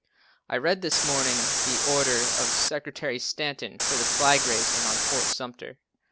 I read this morning the order of Secretary Stanton for the flag raising on Fort Sumter.